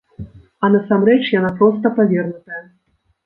А насамрэч яна проста павернутая.